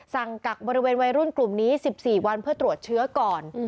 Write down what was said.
กักบริเวณวัยรุ่นกลุ่มนี้๑๔วันเพื่อตรวจเชื้อก่อน